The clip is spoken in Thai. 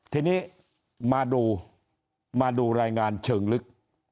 ทีนี้มาดูมาดูรายงานเชิงลึก